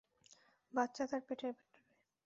বাচ্চা তার পেটের ভিতরে।